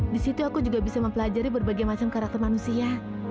di situ aku juga bisa mempelajari berbagai macam karakter manusia